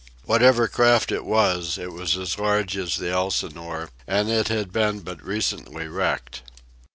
Whatever craft it was, it was as large as the Elsinore, and it had been but recently wrecked.